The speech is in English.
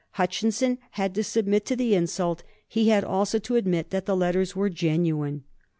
Hutchinson had to submit to the insult; he had also to admit that the letters were genuine.